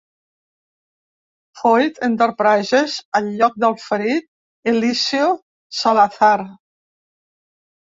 Foyt Enterprises al lloc del ferit Eliseo Salazar.